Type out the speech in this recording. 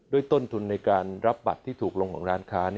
ต้นทุนในการรับบัตรที่ถูกลงของร้านค้า